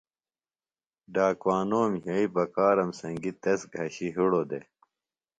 ڈاکوانوم یھئی بکرام سنگیۡ تس گھشیۡ ہڑوۡ دےۡ